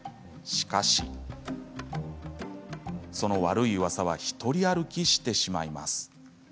しかし、その悪いうわさは独り歩きしてしまいます。